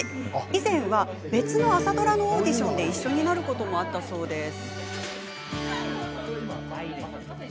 以前は別の朝ドラのオーディションで一緒になることもあったそうです。